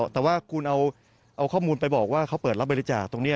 แต่ว่าคุณเอาข้อมูลไปบอกว่าเขาเปิดรับบริจาคตรงนี้